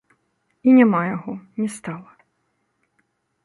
І няма яго, не стала.